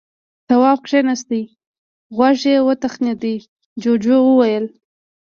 تواب کېناست. غوږ يې وتخڼېد. جُوجُو وويل: